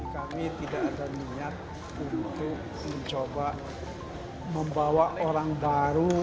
kami tidak ada niat untuk mencoba membawa orang baru